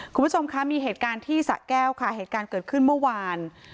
คุณผู้ชมคะมีเหตุการณ์ที่สะแก้วค่ะเหตุการณ์เกิดขึ้นเมื่อวาน